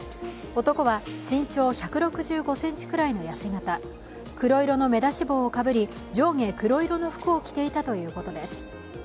男は身長１６５ｃｍくらいの痩せ形黒色の目出し帽をかぶり、上下黒色の服を着ていたということです。